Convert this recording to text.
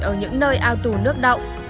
ở những nơi ao tù nước đậu